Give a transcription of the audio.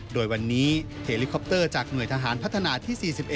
โดยวันนี้เฮลิคอปเตอร์จากหน่วยทหารพัฒนาที่๔๑